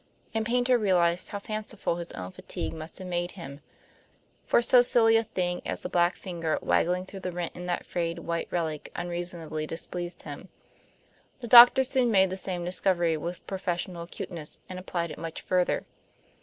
And Paynter realized how fanciful his own fatigue must have made him; for so silly a thing as the black finger waggling through the rent in that frayed white relic unreasonably displeased him. The doctor soon made the same discovery with professional acuteness, and applied it much further.